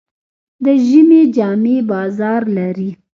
د ژمي جامې بازار لري.